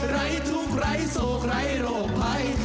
ไร้ทุกข์ไร้โศกไร้โรคภัย